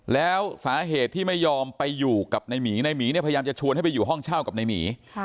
แล้วสาเหตุที่ไม่ยอมไปอยู่กับนายหมีนายหมีเนี่ยพยายามจะชวนให้ไปอยู่ห้องเช่ากับนายหมี